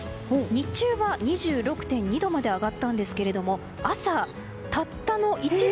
日中は２６．２度まで上がったんですが朝、たったの１度。